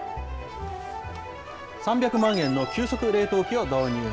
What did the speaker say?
３００万円の急速冷凍機を導入。